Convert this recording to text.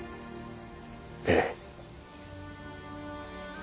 ええ。